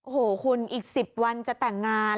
โอ้โหคุณอีก๑๐วันจะแต่งงาน